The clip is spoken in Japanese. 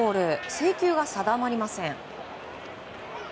制球が定まりません。